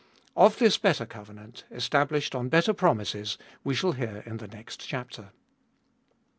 Of this better covenant, established on better promises, we shall hear in the next chapter.